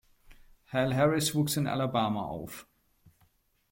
Hal Harris wuchs in Alabama auf.